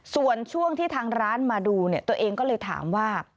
ส่วนช่วงที่ทางร้านมาดูเนี่ยตัวเองก็เลยถามว่า